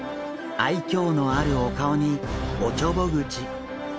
愛嬌のあるお顔におちょぼ口。